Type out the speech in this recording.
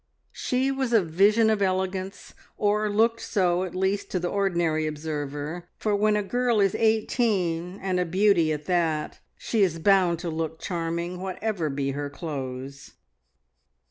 She was a vision of elegance, or looked so at least to the ordinary observer; for when a girl is eighteen, and a beauty at that, she is bound to look charming, whatever be her clothes.